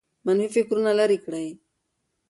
منفي فکرونه لیرې کړئ.